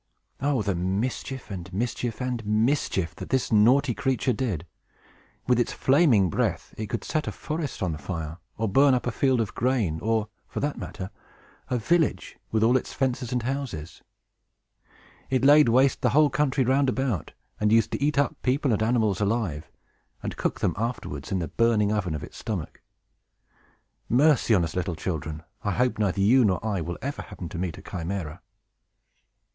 Oh, the mischief, and mischief, and mischief that this naughty creature did! With its flaming breath, it could set a forest on fire, or burn up a field of grain, or, for that matter, a village, with all its fences and houses. It laid waste the whole country round about, and used to eat up people and animals alive, and cook them afterwards in the burning oven of its stomach. Mercy on us, little children, I hope neither you nor I will ever happen to meet a Chimæra!